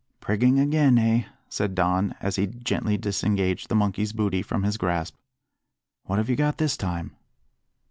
"Prigging again, eh?" said Don, as he gently disengaged the monkey's booty from his grasp. "What have you got this time?"